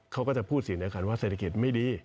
เขาก็จะพูดสินในครรภ์ว่าเศรษฐกิจไม่ดี